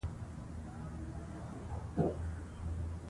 ملامت سترګي نلری .